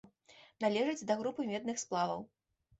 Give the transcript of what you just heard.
Належыць да групы медных сплаваў.